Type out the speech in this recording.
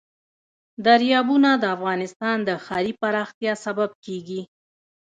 دریابونه د افغانستان د ښاري پراختیا سبب کېږي.